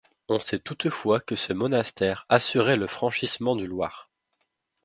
On sait toutefois que ce monastère assurait le franchissement du Loir.